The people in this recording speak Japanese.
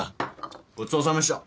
ごちそうさまでした。